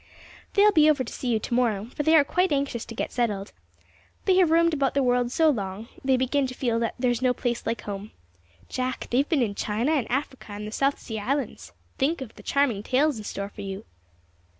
They'll be over to see you to morrow, for they are quite anxious to get settled. They have roamed about the world so long they begin to feel that 'there's no place like home.' Jack, they've been in China and Africa and the South Sea Islands. Think of the charming tales in store for you!"